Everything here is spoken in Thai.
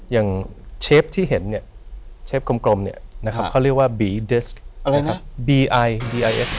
อย่างเชฟที่เห็นเนี่ยเชฟกลมเนี่ยนะครับเขาเรียกว่าบีดิสก์